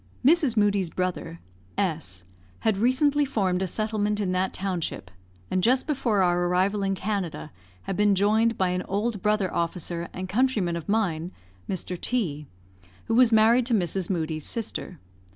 Mrs. Moodie's brother, S , had recently formed a settlement in that township, and just before our arrival in Canada had been joined by an old brother officer and countryman of mine, Mr. T , who was married to Mrs. Moodie's sister.